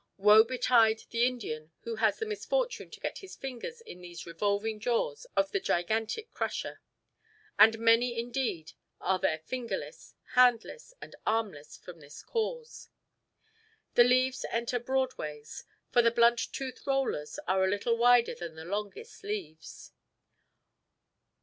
Woe betide the Indian who has the misfortune to get his fingers in these revolving jaws of the gigantic crusher, and many indeed are there fingerless, handless, and armless from this cause. The leaves enter broadways, for the blunt toothed rollers are a little wider than the longest leaves.